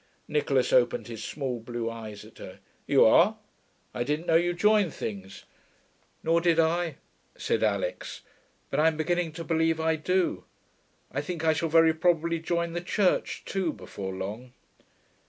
Nicholas opened his small blue eyes at her. 'You are? I didn't know you joined things.' 'Nor did I,' said Alix. 'But I'm beginning to believe I do.... I think I shall very probably join the Church, too, before long.'